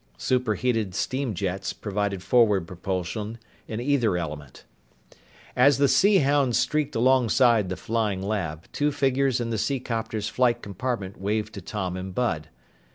Superheated steam jets provided forward propulsion in either element. As the Sea Hound streaked alongside the Flying Lab, two figures in the seacopter's flight compartment waved to Tom and Bud.